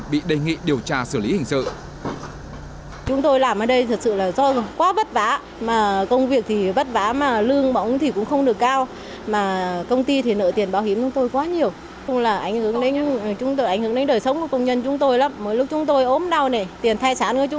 bị đề nghị điều tra xử lý hình sự